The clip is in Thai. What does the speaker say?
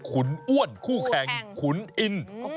ขุนอ้วนคู่แข่งขุนอิน